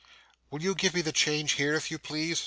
'Will you give me the change here, if you please?